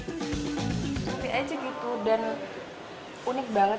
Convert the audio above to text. tapi aja gitu dan unik banget